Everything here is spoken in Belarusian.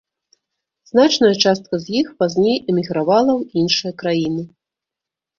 Значная частка з іх пазней эмігравала ў іншыя краіны.